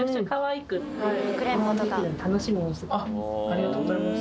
ありがとうございます